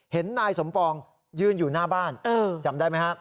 เห็นนายสมปองยืนอยู่หน้าบ้านจำได้ไหมฮะ